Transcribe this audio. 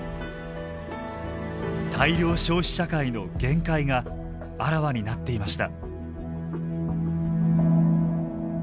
大量消費社会の限界があらわになっていました。